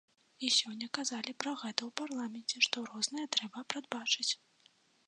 І сёння казалі пра гэта ў парламенце, што рознае трэба прадбачыць.